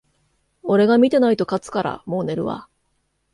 俺が見てないと勝つから、もう寝るわ